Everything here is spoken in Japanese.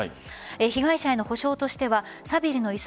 被害者への補償としてはサビルの遺産